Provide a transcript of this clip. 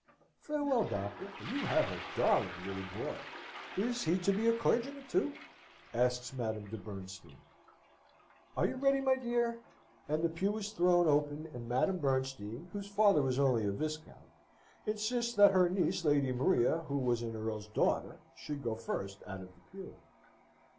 "Farewell, doctor; you have a darling little boy: is he to be a clergyman, too?" asks Madame de Bernstein. "Are you ready, my dear?" And the pew is thrown open, and Madame Bernstein, whose father was only a viscount, insists that her niece, Lady Maria, who was an earl's daughter, should go first out of the pew.